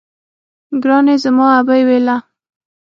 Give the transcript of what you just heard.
ګراني زما ابۍ ويله